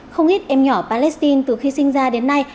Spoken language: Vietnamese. không ít em nhỏ palestine từ khi sinh ra đến nay